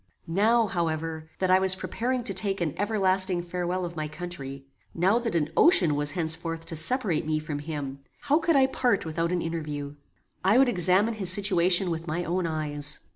Now, however, that I was preparing to take an everlasting farewell of my country, now that an ocean was henceforth to separate me from him, how could I part without an interview? I would examine his situation with my own eyes.